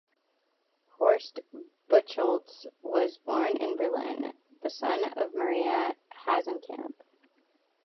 Horst Buchholz was born in Berlin, the son of Maria Hasenkamp.